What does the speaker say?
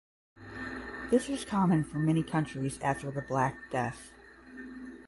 This was common for many countries after the Black Death.